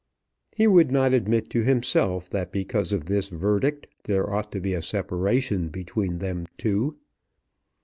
He would not admit to himself that because of this verdict there ought to be a separation between them two.